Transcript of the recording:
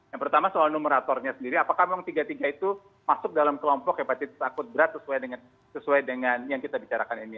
yang pertama soal numeratornya sendiri apakah memang tiga tiga itu masuk dalam kelompok hepatitis akut berat sesuai dengan yang kita bicarakan ini